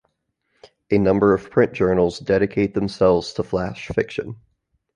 A number of print journals dedicate themselves to flash fiction.